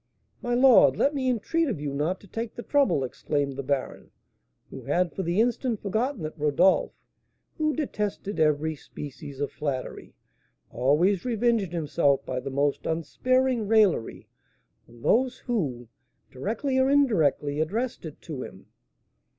"My lord, let me entreat of you not to take the trouble," exclaimed the baron, who had for the instant forgotten that Rodolph, who detested every species of flattery, always revenged himself by the most unsparing raillery on those who, directly or indirectly, addressed it to him.